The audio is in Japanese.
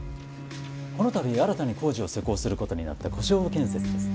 このたび新たに工事を施工することになった小勝負建設です。